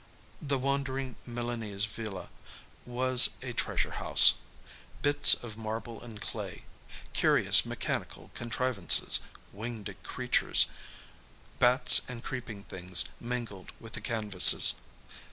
The wandering Milanese villa was a treasure house. Bits of marble and clay, curious mechanical contrivances, winged creatures, bats and creeping things mingled with the canvases.